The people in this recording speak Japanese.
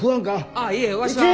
あっいえわしは。